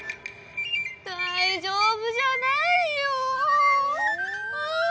大丈夫じゃないよ。